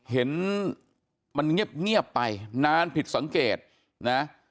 เห็นมันเงียบไปนานผิดสังเกตนะ